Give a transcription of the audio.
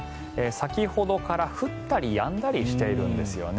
先ほどから降ったりやんだりしているんですよね。